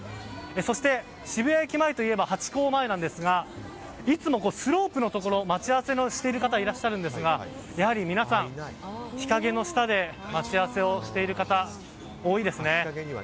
そして、渋谷駅前といえばハチ公前ですがいつもスロープのところ待ち合わせしている方がいるんですがやはり皆さん日影の下で待ち合わせをしている方多いです。